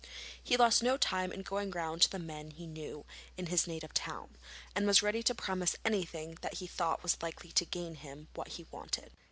He lost no time in going round to the men he knew in his native town, and was ready to promise anything that he thought was likely to gain him what he wanted.